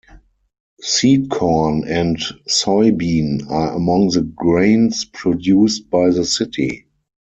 Seed corn and soybean are among the grains produced by the city.